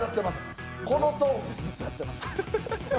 このトーンでずっとやってます。